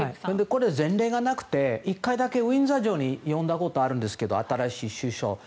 これ、前例がなくて１回だけウィンザー城に呼んだことあるんですけど新しい首相を。